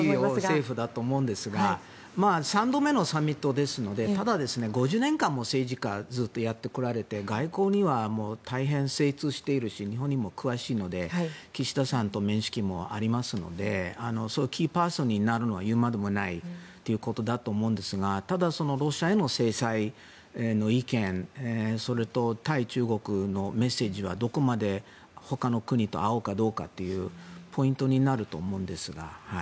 今日はギリギリセーフだと思うんですが３度目のサミットですのでただ、５０年間も政治家、ずっとやってこられて外交には大変精通しているし日本にも詳しいので岸田さんと面識もありますのでキーパーソンになるのは言うまでもないことだと思いますがただ、ロシアへの制裁の意見それと、対中国のメッセージはどこまでほかの国と合うかどうかというのがポイントになると思うんですが。